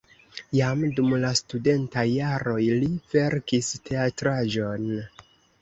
Jam dum la studentaj jaroj li verkis teatraĵon.